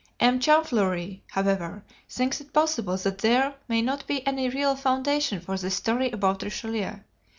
M. Champfleury, however, thinks it possible that there may not be any real foundation for this story about Richelieu.